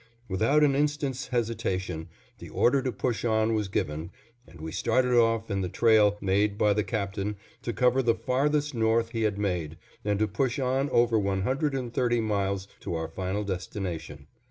Without an instant's hesitation, the order to push on was given, and we started off in the trail made by the Captain to cover the Farthest North he had made and to push on over one hundred and thirty miles to our final destination.